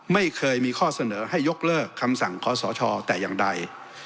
ไม่เคยมีข้อเสนอให้ยกเลิกคำสั่งขอสชแต่อย่างใด